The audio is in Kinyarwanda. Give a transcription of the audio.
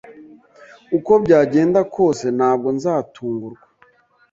uko byagenda kose, ntabwo nzatungurwa.